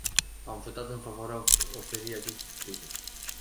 Am votat în favoarea oferirii acestui sprijin.